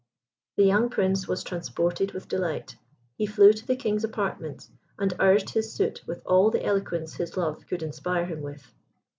The young Prince was transported with delight; he flew to the King's apartments, and urged his suit with all the eloquence his love could inspire him with.